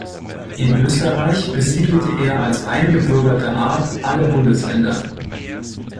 In Österreich besiedelt er als eingebürgerte Art alle Bundesländer.